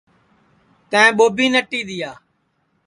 تیں ٻوبی نٹی دؔیا